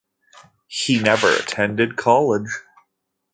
He never attended college.